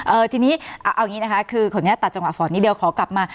เอ่อทีนี้เอางี้นะคะคือขนาดตัดจังหวะฝอดนี้เดี๋ยวขอกลับมา